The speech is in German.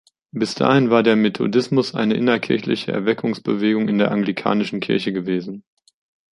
Bis dahin war der Methodismus eine innerkirchliche Erweckungsbewegung in der Anglikanischen Kirche gewesen.